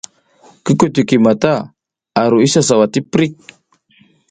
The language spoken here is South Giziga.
Ki kutukuy mata a ru isa sawa ti prik.